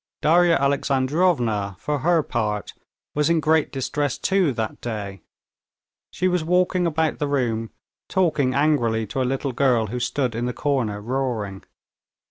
Darya Alexandrovna, for her part, was in great distress too that day. She was walking about the room, talking angrily to a little girl, who stood in the corner roaring.